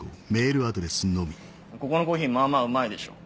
ここのコーヒーまぁまぁうまいでしょ。